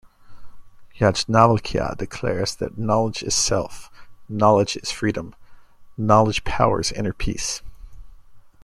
Yajnavalkya declares that Knowledge is Self, Knowledge is freedom, Knowledge powers inner peace.